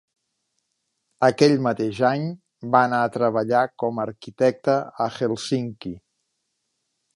Aquell mateix any va anar a treballar com arquitecte a Helsinki.